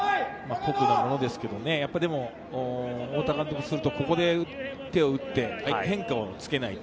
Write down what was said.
酷なものですけれど、監督からすると、ここで手を打って変化をつけないと。